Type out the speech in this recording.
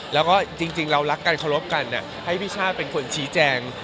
แล้วก็จริงเรารักกันเคารพกันให้พี่ชาติเป็นคนชี้แจง